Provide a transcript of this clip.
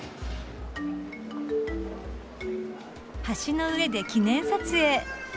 橋の上で記念撮影。